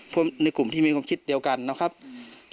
ในกลุ่มที่มีความคิดเดียวกันนะครับ